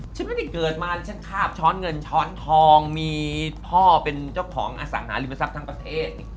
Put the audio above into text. ฉันไม่ได้เกิดมาฉันคาบช้อนเงินช้อนทองมีพ่อเป็นเจ้าของอสังหาริมทรัพย์ทั้งประเทศ